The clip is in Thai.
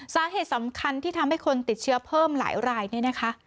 สาเหตุสำคัญที่ทำให้คนติดเชื้อเพิ่มหลายรายเนี่ยนะคะ